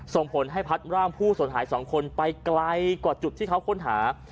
ส่งผลให้พัดร่างผู้สนหาย๒คนไปไกลกว่าจุดที่เขาค้นหา